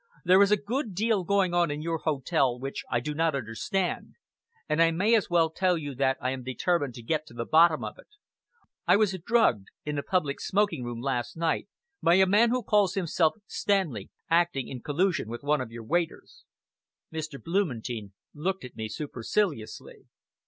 "There is a good deal going on in your hotel which I do not understand; and I may as well tell you that I am determined to get to the bottom of it. I was drugged in the public smoking room last night by a man who called himself Stanley, acting in collusion with one of the waiters." Mr. Blumentein looked at me superciliously.